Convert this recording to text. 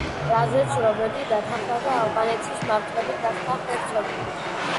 რაზეც რობერტი დათანხმდა და ალბანეთის მმართველი გახდა ჰერცოგი.